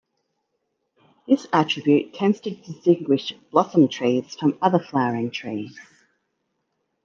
This attribute tends to distinguish "blossom" trees from other flowering trees.